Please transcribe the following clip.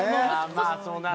まあそうなる。